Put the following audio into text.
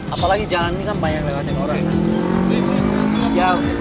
apalagi jalan ini kan banyak lewatin orang